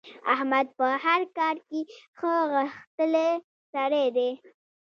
احمد په هر کار کې ښه غښتلی سړی دی.